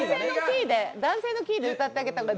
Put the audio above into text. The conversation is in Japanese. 男性のキーで歌ってあげた方が。